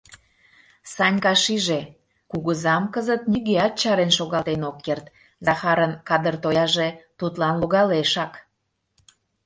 Санька шиже: кугызам кызыт нигӧат чарен шогалтен ок керт; Захарын кадыр тояже тудлан логалешак.